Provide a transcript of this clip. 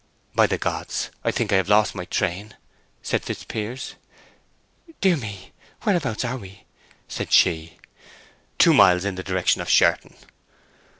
"By the gods, I think I have lost my train!" said Fitzpiers. "Dear me—whereabouts are we?" said she. "Two miles in the direction of Sherton."